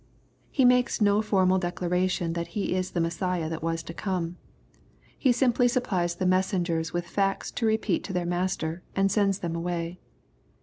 He makes no formal declaration that he is the Messiah that was to come. He simply supplies the messengers with facts to repeat to their master, and sends them away.